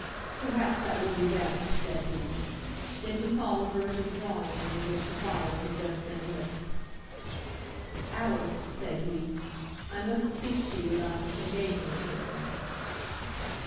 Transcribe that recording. "Perhaps that will be best," said he. Then he followed her into the drawing room in which the fire had just been lit. "Alice," said he, "I must speak to you about this engagement of yours."